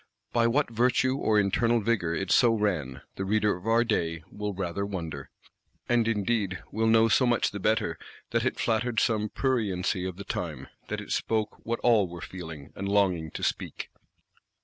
By what virtue or internal vigour it so ran, the reader of our day will rather wonder:—and indeed will know so much the better that it flattered some pruriency of the time; that it spoke what all were feeling, and longing to speak.